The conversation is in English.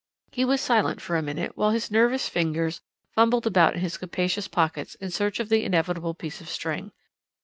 He was silent for a minute, while his nervous fingers fumbled about in his capacious pockets in search of the inevitable piece of string.